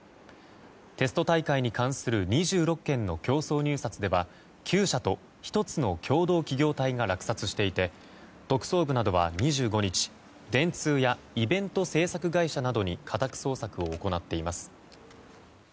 テスト大会に関する２６件の競争入札では９社と１つの共同企業体が落札していて特捜部などは２５日電通やイベント制作会社などに家宅捜索を行っています。